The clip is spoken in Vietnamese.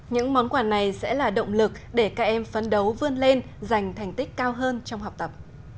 những món quà này sẽ là động lực để các em phấn đấu vươn lên giành thành tích cao hơn trong học tập